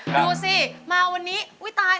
ดูสิมาวันนี้อุ๊ยตาย